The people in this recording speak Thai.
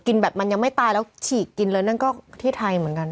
แบบมันยังไม่ตายแล้วฉีกกินเลยนั่นก็ที่ไทยเหมือนกัน